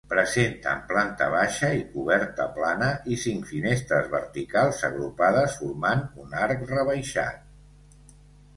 Presenten planta baixa i coberta plana, i cinc finestres verticals agrupades formant un arc rebaixat.